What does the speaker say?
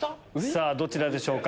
どちらでしょうか？